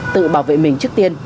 tự bảo vệ mình trước tiên